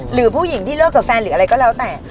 หรือผู้หญิงที่เลิกกับแฟนหรืออะไรก็แล้วแต่